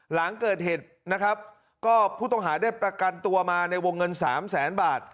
หลังเกิดเหตุนะครับก็ผู้ต้องหาได้ประกันตัวมาในวงเงิน๓แสนบาท